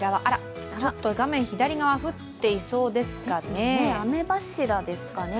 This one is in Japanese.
画面左側、降っていそうですかね。